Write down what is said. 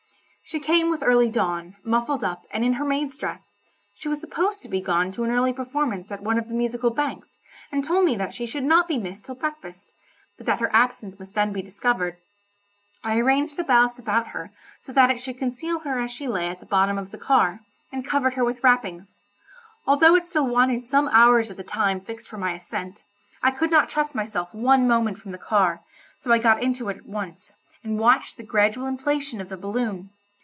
She came with early dawn, muffled up, and in her maid's dress. She was supposed to be gone to an early performance at one of the Musical Banks, and told me that she should not be missed till breakfast, but that her absence must then be discovered. I arranged the ballast about her so that it should conceal her as she lay at the bottom of the car, and covered her with wrappings. Although it still wanted some hours of the time fixed for my ascent, I could not trust myself one moment from the car, so I got into it at once, and watched the gradual inflation of the balloon.